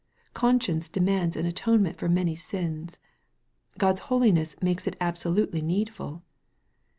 Conscience de mands an atonement for our many sins. God's holiness makes it absolutely needful.